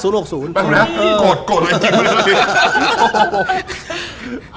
แปดแล้วโกรธโกรธดี